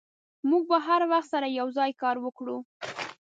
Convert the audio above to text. موږ به هر وخت سره یوځای کار وکړو.